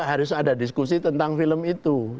harus ada diskusi tentang film itu